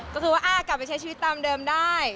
ก็คือว่ากลับไปใช้ชีวิตตามเดิมได้